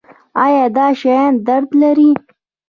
ایا دا شیان درد لري؟